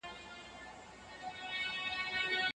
هيواد د دري ژبو خلکو لخوا له پامه غورځول سوی